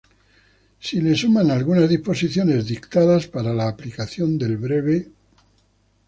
Se le suman algunas disposiciones dictadas para la aplicación del breve.